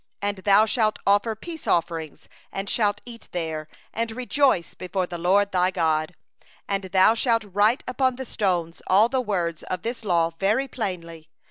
7And thou shalt sacrifice peace offerings, and shalt eat there; and thou shalt rejoice before the LORD thy God. 8And thou shalt write upon the stones all the words of this law very plainly.